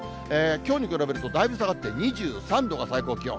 きょうに比べるとだいぶ下がって２３度が最高気温。